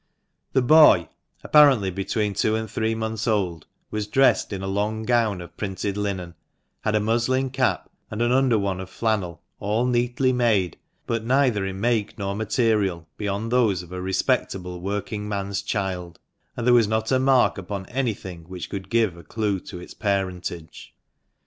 The boy, apparently between two and three months' old, was dressed in a long gown of printed linen, had a muslin cap, and an under one of flannel, all neatly made, but neither in make nor material beyond those of a respectable working man's child ; and there was not a mark upon anything which could give a clue to its parentage.